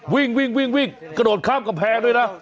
วิ่งกระโดดข้ามกระแพงด้วยนะ